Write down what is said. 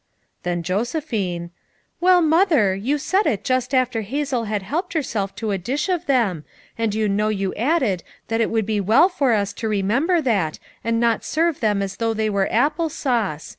Then Josephine: "Well, Mother, you said it just after Hazel had helped herself to a dish of them, and you know you added that it would be well for us to remember that, and not serve them as though they were apple sauce.